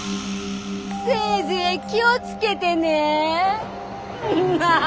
せいぜい気を付けてね。